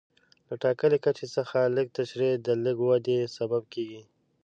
له ټاکلي کچې څخه لږه ترشح د لږې ودې سبب کېږي.